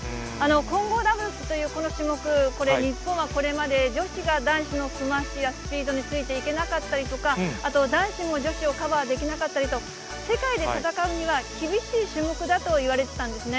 混合ダブルスというこの種目、これ、日本はこれまで女子が男子のスマッシュやすぴーどについていけなかったりとか、男子も女子をカバーできなかったりと、世界で戦うには厳しい種目だと言われていたんですね。